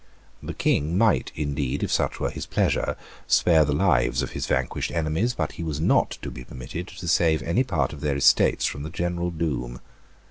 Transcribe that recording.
The King might indeed, if such were his pleasure, spare the lives of his vanquished enemies; but he was not to be permitted to save any part of their estates from the general doom.